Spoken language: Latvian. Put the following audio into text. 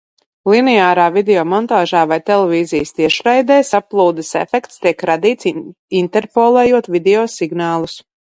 Lineārā video montāžā vai televīzijas tiešraidē saplūdes efekts tiek radīts, interpolējot video signālus.